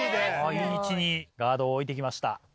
いい位置にガードを置いて来ました。